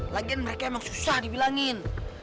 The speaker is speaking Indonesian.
lagian mereka emang susah dibilangin